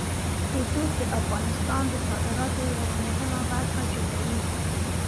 رسوب د افغانستان د صادراتو یوه مهمه برخه جوړوي.